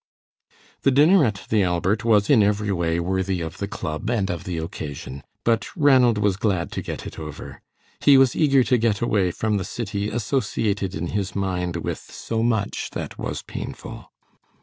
The dinner at the Albert was in every way worthy of the club and of the occasion, but Ranald was glad to get it over. He was eager to get away from the city associated in his mind with so much that was painful.